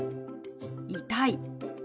「痛い」。